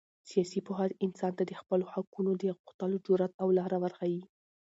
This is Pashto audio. سیاسي پوهه انسان ته د خپلو حقونو د غوښتلو جرات او لاره ورښیي.